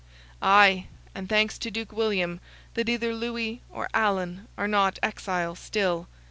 "Ay, and thanks to Duke William that either Louis or Alan are not exiles still.